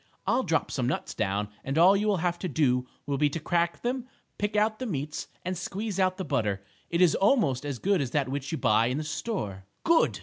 "I'll drop some nuts down and all you will have to do will be to crack them, pick out the meats and squeeze out the butter. It is almost as good as that which you buy in the store." "Good!"